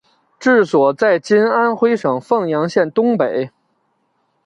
治所在今安徽省凤阳县东北。